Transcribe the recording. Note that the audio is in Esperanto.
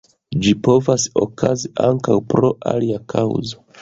Ĝi povas okazi ankaŭ pro alia kaŭzo.